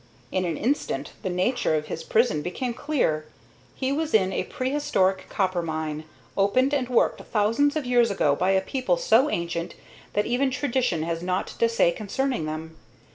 In an instant the nature of his prison became clear. He was in a prehistoric copper mine, opened and worked thousands of years ago by a people so ancient that even tradition has nought to say concerning them.